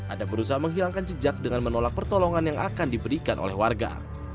adap berusaha menghilangkan jejak dengan menolak pertolongan yang akan diberikan oleh warga